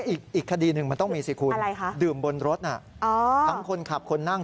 อีกคดีหนึ่งมันต้องมีสิคุณดื่มบนรถทั้งคนขับคนนั่ง